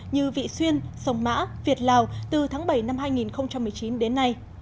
như vị xuyên sông mã việt lào từ tháng bảy năm hai nghìn một mươi chín đến nay